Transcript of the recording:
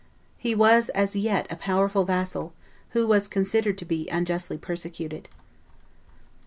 He was as yet a powerful vassal, who was considered to be unjustly persecuted.